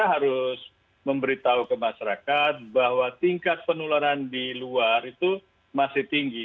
kita harus memberitahu ke masyarakat bahwa tingkat penularan di luar itu masih tinggi